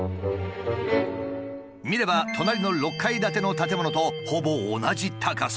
見れば隣の６階建ての建物とほぼ同じ高さ。